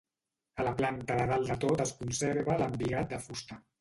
A la planta de dalt de tot es conserva l'embigat de fusta.